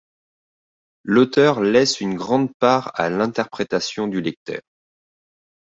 L’auteur laisse une grande part à l’interprétation du lecteur.